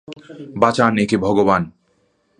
বাঁচান একে ভগবান!